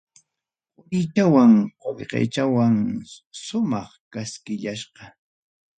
Qorichawan qollqechawan, sumaq kaskillasqa.